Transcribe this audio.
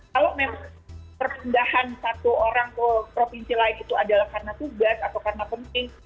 kalau memang perpindahan satu orang ke provinsi lain itu adalah karena tugas atau karena penting